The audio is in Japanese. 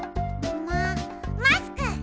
ママスク！